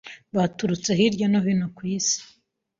baturutse hirya no hino ku Isi